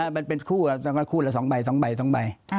มันเป็นคู่คู่ลายสองใบสองใบสองใบ